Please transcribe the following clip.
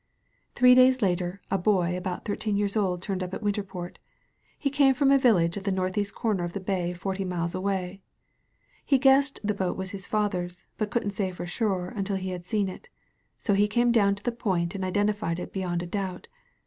"Three days later a boy about thirteen years old turned up at Winterport. He came from a village at the northeast comer of the bay forty miles away. He guessed the boat was his father's, but couldn't say for sure until he had seen it. So he came down to the point and identified it beyond a doubt.